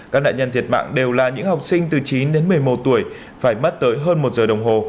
các nạn nhân thiệt mạng đều là những học sinh từ chín đến một mươi một tuổi phải mất tới hơn một giờ đồng hồ